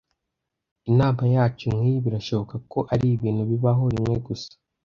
Inama yacu nkiyi birashoboka ko aribintu bibaho rimwe gusa.